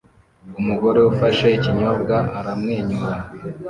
Umugore ufashe ikinyobwa aramwenyura